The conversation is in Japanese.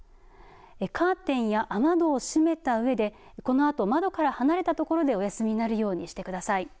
カーテンや雨戸を閉めたうえでこのあと窓から離れたところでお休みになるようにしてください。